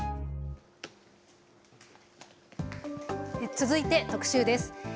続いて特集です。